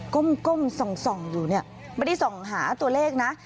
ก้มส่องอยู่เนี่ยไม่ได้ส่องหาตัวเลขนะ